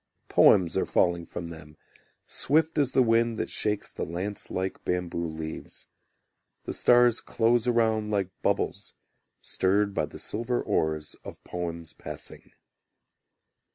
Poems are falling from them Swift as the wind that shakes the lance like bamboo leaves; The stars close around like bubbles Stirred by the silver oars of poems passing.